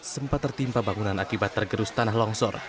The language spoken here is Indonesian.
sempat tertimpa bangunan akibat tergerus tanah longsor